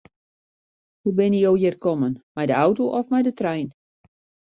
Hoe binne jo hjir kommen, mei de auto of mei de trein?